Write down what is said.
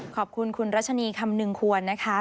ขอบคุณคุณรัชนีคำนึงควรนะคะ